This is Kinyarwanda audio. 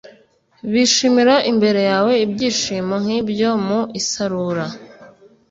bishimira imbere yawe ibyishimo nk ibyo mu isarura